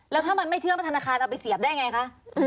แล้วถ้ามันไม่เชื่อว่าธนาคารเอาไปเสียบได้ไงคะ